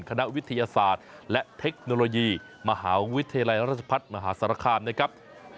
คณะวิทยาศาสตร์และเทคโนโลยีมหาวิทยาลัยราชพัฒน์มหาสารคามนะครับ